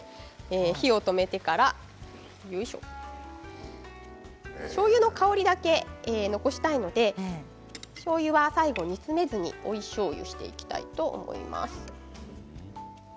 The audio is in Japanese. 火を止めてからしょうゆの香りだけ残したいのでしょうゆは最後に煮詰めずに追いしょうゆをしていきたいと思います。